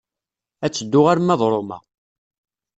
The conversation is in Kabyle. Ad teddu arma d Roma.